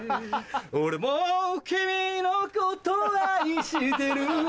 俺も君のこと愛してる